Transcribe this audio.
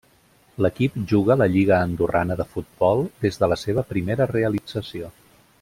L'equip juga la Lliga andorrana de futbol des de la seva primera realització.